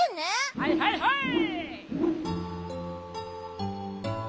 はいはいはい！